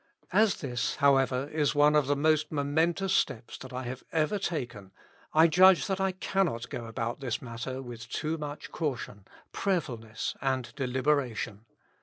As this, however, is one of the most momentous steps that I have ever taken, I judge that I cannot go about this matter with too much caution, prayerfulness, and deliberation.